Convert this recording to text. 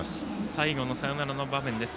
最後のサヨナラの場面です。